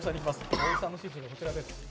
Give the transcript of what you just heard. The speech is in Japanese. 大木さんの指示はこちらです。